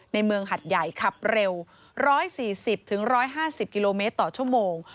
ในเมืองหัดใหญ่ขับเร็ว๑๔๐๑๕๐กิโลเมตรต่อชั่วโมง